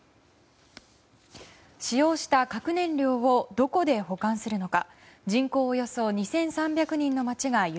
使用した核燃料をどこで保管するのか。